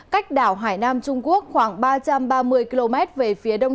cách đảo hải nam trung quốc khoảng ba trăm ba mươi km về phía đông